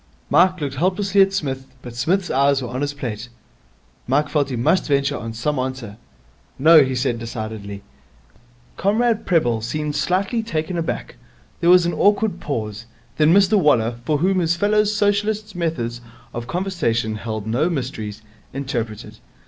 Mike looked helplessly at Psmith, but Psmith's eyes were on his plate. Mike felt he must venture on some answer. 'No,' he said decidedly. Comrade Prebble seemed slightly taken aback. There was an awkward pause. Then Mr Waller, for whom his fellow Socialist's methods of conversation held no mysteries, interpreted.